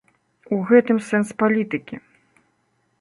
У гэтым сэнс палітыкі.